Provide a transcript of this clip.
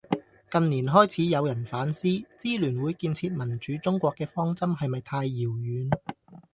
近年開始有人反思，支聯會「建設民主中國」嘅方針係咪太遙遠